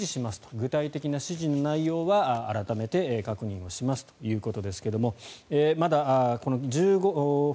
具体的な指示内容は改めて確認しますということですがまだこの１５分